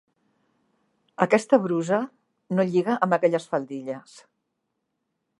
Aquesta brusa no lliga amb aquelles faldilles.